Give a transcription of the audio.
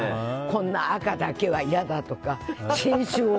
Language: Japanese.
こんな赤だけは嫌だとか。